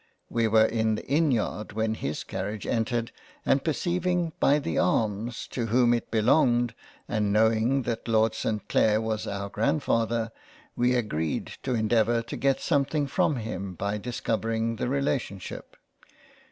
We were in the Inn yard when his Carnage entered and perceiving by the arms to whom it belonged, and knowing that Lord St Clair was our Grandfather, we agreed to endeavour to get something from him by discovering the Relationship —